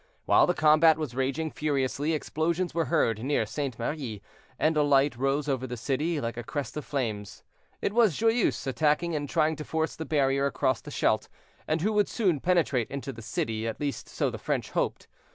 While the combat was raging furiously, explosions were heard near St. Marie, and a light rose over the city, like a crest of flames. It was Joyeuse attacking and trying to force the barrier across the Scheldt, and who would soon penetrate into the city, at least, so the French hoped.